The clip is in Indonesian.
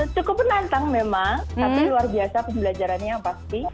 cukup menantang memang tapi luar biasa pembelajarannya yang pasti